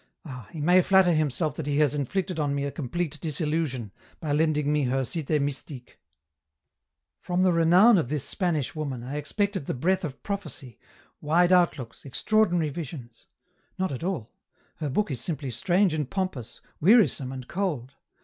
" Ah ! he may flatter himself that he has inflicted on me a complete disillusion, by lending me her ' Cite Mystique.' " From the renown of this Spanish woman, I expected the 90 EN ROUTE. breath of prophecy, wide outlooks, extraordinary visions. Not at all ; her book is simply strange and pompous, weari some and cold.